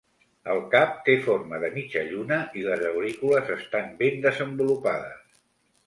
El cap té forma de mitja lluna i les aurícules estan ben desenvolupades.